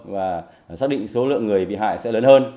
và xác định số lượng người bị hại sẽ lớn hơn